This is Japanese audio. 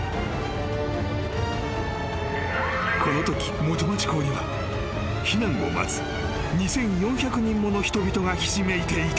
［このとき元町港には避難を待つ２，４００人もの人々がひしめいていた］